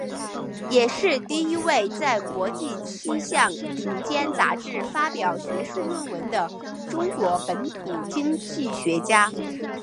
也是第一位在国际七大顶尖杂志发表学术论文的中国本土经济学家。